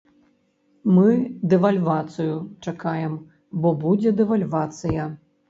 Мы дэвальвацыю чакаем, бо будзе дэвальвацыя.